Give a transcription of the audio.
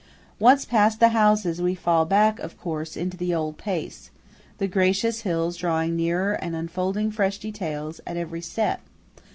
Once past the houses, we fall back, of course, into the old pace, the gracious hills drawing nearer and unfolding fresh details at every step.